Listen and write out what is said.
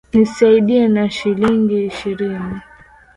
Nisaidie na shilingi ishirini